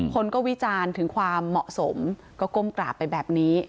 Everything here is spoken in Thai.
คนก็วิจารณ์ถึงความเหมาะสมก็ก้มกราบไปแบบนี้